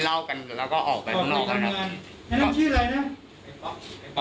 ติดยาเสพติฝะไม่ติดยาเสพติฝะวันนั้นกินเหล้าก็ไปกันครับ